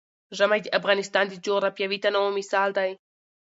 ژمی د افغانستان د جغرافیوي تنوع مثال دی.